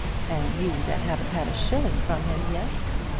and you that haven't had a shilling from him yet!